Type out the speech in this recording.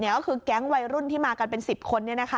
ก็คือแก๊งวัยรุ่นที่มากันเป็น๑๐คน